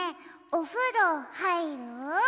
おふろはいる？